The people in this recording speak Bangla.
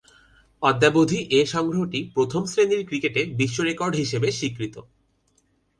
অদ্যাবধি এ সংগ্রহটি প্রথম-শ্রেণীর ক্রিকেটে বিশ্বরেকর্ড হিসেবে স্বীকৃত।